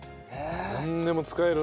なんでも使える。